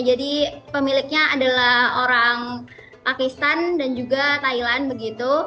jadi pemiliknya adalah orang pakistan dan juga thailand begitu